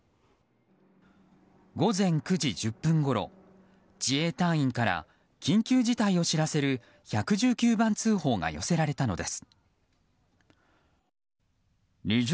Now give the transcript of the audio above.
午前９時１０分ごろ自衛隊員から緊急事態を知らせる１１９番通報が寄せられたのです。